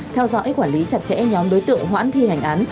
theo dõi quản lý chặt chẽ nhóm đối tượng hoãn thi hành án